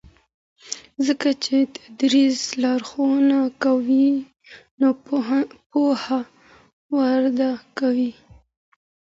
ځکه چې تدریس لارښوونه کوي نو پوهنه وده کوي.